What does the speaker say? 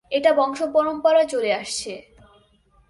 এটা বংশ পরম্পরায় চলে আসছে।